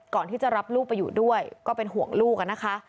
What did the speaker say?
ก่อนที่จะรับลูกไปอยู่ด้วยก็เป็นห่วงลูกนะคะ